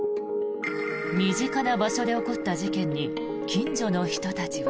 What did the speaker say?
身近な場所で起こった事件に近所の人たちは。